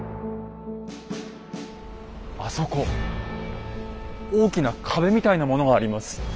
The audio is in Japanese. あそこ大きな壁みたいなものがあります。